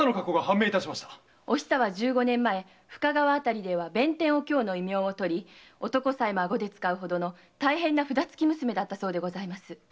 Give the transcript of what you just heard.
お久は十五年前深川辺りでは“弁天お京”の異名を取り男を顎で使う大変な札つき娘だったそうです。